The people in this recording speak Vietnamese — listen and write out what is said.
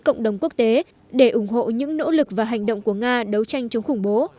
cộng đồng quốc tế để ủng hộ những nỗ lực và hành động của nga đấu tranh chống khủng bố